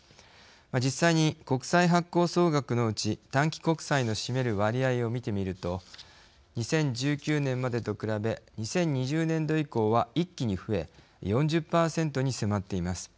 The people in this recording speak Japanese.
実際に、国債発行総額のうち短期国債の占める割合を見てみると２０１９年までと比べ２０２０年度以降は一気に増え４０％に迫っています。